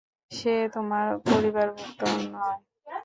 সে তোমার পরিবারভুক্ত নয়।